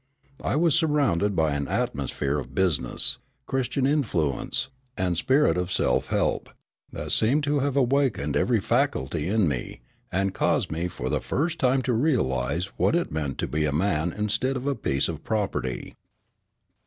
I was surrounded by an atmosphere of business, Christian influence, and spirit of self help, that seemed to have awakened every faculty in me, and caused me for the first time to realise what it meant to be a man instead of a piece of property.